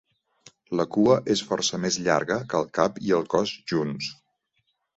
La cua és força més llarga que el cap i el cos junts.